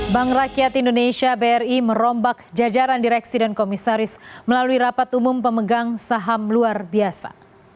bank rakyat indonesia bri merombak jajaran direksi dan komisaris melalui rapat umum pemegang saham luar biasa